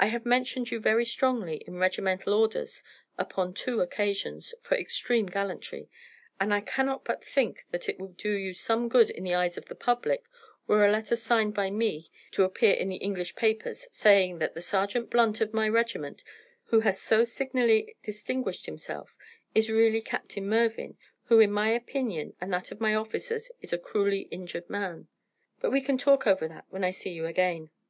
I have mentioned you very strongly in regimental orders upon two occasions for extreme gallantry, and I cannot but think that it would do you some good in the eyes of the public were a letter signed by me to appear in the English papers, saying that the Sergeant Blunt of my regiment, who has so signally distinguished himself, is really Captain Mervyn, who in my opinion and that of my officers is a cruelly injured man. But we can talk over that when I see you again."